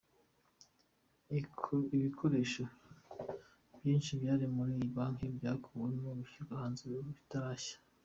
Ibikoresho byinshi byari muri iyi banki byakuwemo bishyirwa hanze bitarashya.